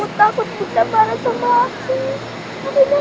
takut takut bunda balik sama aku